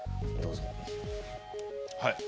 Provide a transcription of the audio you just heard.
はい。